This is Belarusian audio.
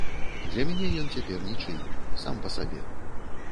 Для мяне ён цяпер нічый, сам па сабе.